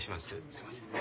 すいません。